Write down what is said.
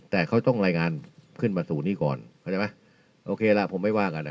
แต่เขาต้องรายงานขึ้นมาสู่นี้ก่อนเข้าใจไหมโอเคล่ะผมไม่ว่ากันอ่ะ